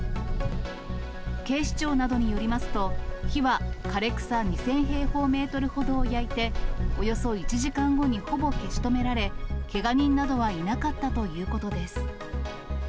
警視庁などによりますと、火は枯草２０００平方メートルほどを焼いて、およそ１時間後にほぼ消し止められ、けが人などはいなかったということです。